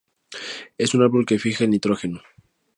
Es un árbol que fija el nitrógeno.